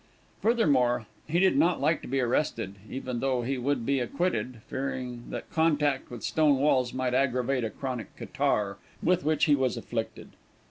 Furthermore, he did not like to be arrested, even though he would be acquitted, fearing that contact with stone walls might aggravate a chronic catarrh with which he was afflicted.